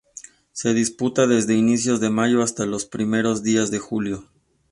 Se disputó desde inicios de Mayo hasta los primeros días de Julio.